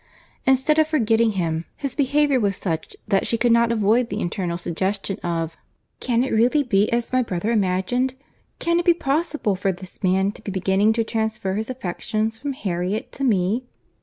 Instead of forgetting him, his behaviour was such that she could not avoid the internal suggestion of "Can it really be as my brother imagined? can it be possible for this man to be beginning to transfer his affections from Harriet to me?